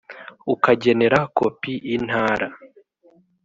ukagenera kopi intara